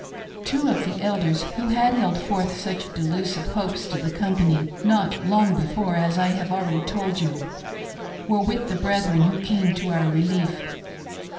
" Two of the Elders who had held forth such delusive hopes to the company, not long before, as I have already told you, were with the brethren who came to our relief.